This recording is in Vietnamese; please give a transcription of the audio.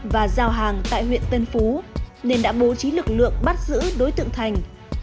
và giao hàng tại huyện tân phú nên đã bố trí lực lượng bắt giữ đối tượng thành